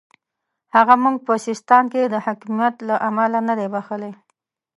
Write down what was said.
هغه موږ په سیستان کې د حکمیت له امله نه دی بخښلی.